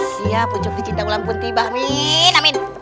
siap ujung kecinta ulang pun tiba amin amin